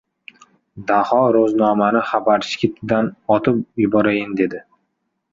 Daho ro‘znomani xabarchi ketidan otib yuborayin dedi.